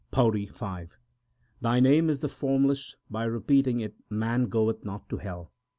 PAURI V Thy name is the Formless : by repeating it man goeth not to hell.